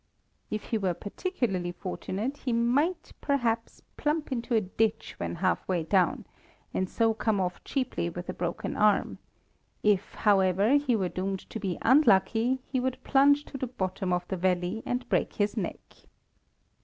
If he were particularly fortunate, he might, perhaps, plump into a ditch when halfway down, and so come off cheaply with a broken arm; if, however, he were doomed to be unlucky, he would plunge to the bottom of the valley and break his neck.